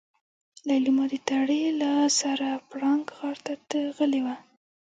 ليلما د تړې له سره پړانګ غار ته غلې وه.